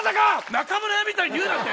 中村屋みたいに言うなって！